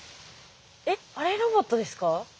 えっあれロボットですか？